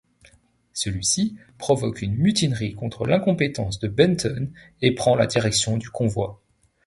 Celui-ci provoque une mutinerie contre l'incompétence de Benton et prend la direction du convoi...